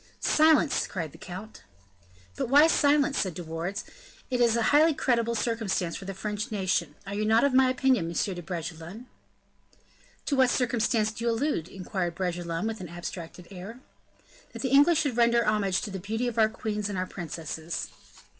"Silence!" cried the count. "But why, silence?" said De Wardes; "it is a highly creditable circumstance for the French nation. Are not you of my opinion, Monsieur de Bragelonne?" "To what circumstance do you allude?" inquired De Bragelonne with an abstracted air. "That the English should render homage to the beauty of our queens and our princesses."